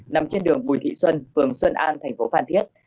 nằm trên đường bùi thị xuân phường xuân an thành phố phan thiết